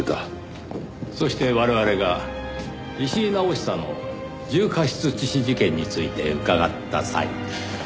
そして我々が石井直久の重過失致死事件について伺った際。